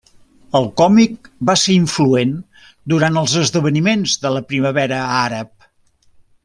El còmic va ser influent durant els esdeveniments de la primavera àrab.